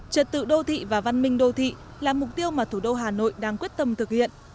trật tự đô thị và văn minh đô thị là mục tiêu mà thủ đô hà nội đang quyết tâm thực hiện